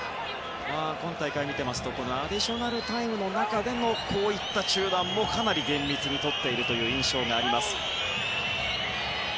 今大会を見ているとアディショナルタイムの中でもこういった中断もかなり厳密にとっている印象があります。